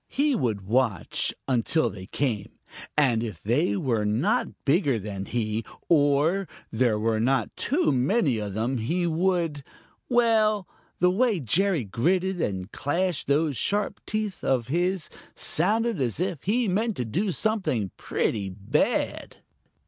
He would just watch until they came, and then if they were not bigger than he, or there were not too many of them, he would well, the way Jerry gritted and clashed those sharp teeth of his sounded as if he meant to do something pretty bad.